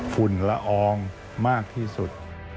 ฝุ่นละอองมากที่สุด